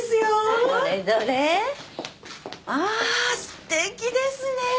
すてきですね。